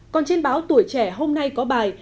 còn trên báo tuổi trẻ hôm nay có bài